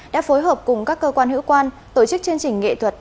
đã phối hợp cùng các cơ quan hữu quan tổ chức chương trình nghệ thuật